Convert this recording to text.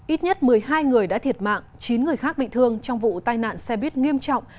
ít nhất một mươi hai người đã thiệt mạng chín người khác bị thương trong vụ tai nạn xe buýt nghiêm trọng